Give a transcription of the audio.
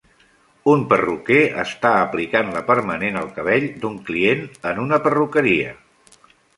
Un perruquer està aplicant la permanent al cabell d'un client en una perruqueria.